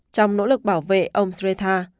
trong nỗ lực bảo vệ ông sreta